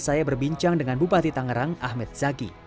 saya berbincang dengan bupati tangerang ahmed zaghi